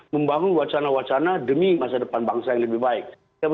membangun wacana wacana demi masa depan bangsa yang lebih baik